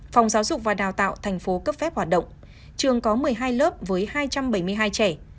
phòng giáo dục và đào tạo thành phố cấp phép hoạt động trường có một mươi hai lớp với hai trăm bảy mươi hai trẻ